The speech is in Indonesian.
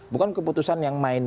bukan keputusan yang main